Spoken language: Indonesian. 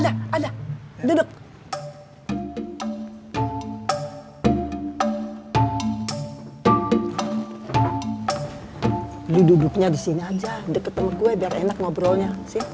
lu duduknya disini aja deket sama gue biar enak ngobrolnya